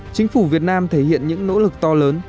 chính phủ việt nam thể hiện những nỗ lực to lớn